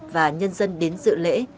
và nhân dân đến dự lễ